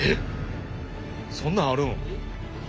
そんなんあるん？